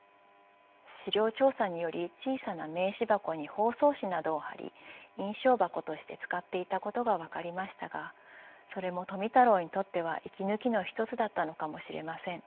資料調査により小さな名刺箱に包装紙などを貼り印章箱として使っていたことが分かりましたがそれも富太郎にとっては息抜きの一つだったのかもしれません。